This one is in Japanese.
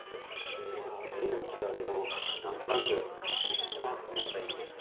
いや元気だけども何となくあっごめんなさい。